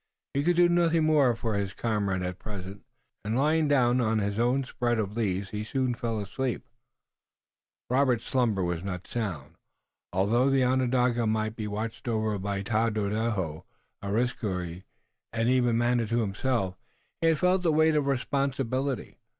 He could do nothing more for his comrade at present, and lying down on his own spread of leaves, he soon fell asleep. Robert's slumber was not sound. Although the Onondaga might be watched over by Tododaho, Areskoui and even Manitou himself, he had felt the weight of responsibility.